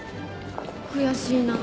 悔しいなぁ。